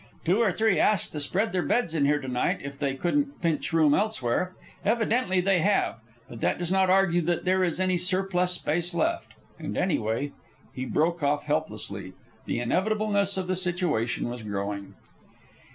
Two or three asked to spread their beds in here to night if they couldn't pinch room elsewhere. Evidently they have; but that does not argue that there is any surplus space left. And anyway " He broke off helplessly. The inevitableness of the situation was growing.